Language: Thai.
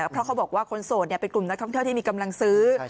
เพราะเขาบอกว่าคนโสดเป็นกลุ่มนักท่องเที่ยวที่มีกำลังซื้อ